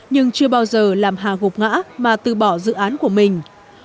nhưng chưa bao giờ làm hà gục ngã mà từ bỏ dự án của mình